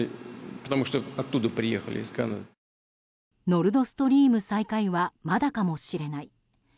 ノルドストリーム再開はまだかもしれない。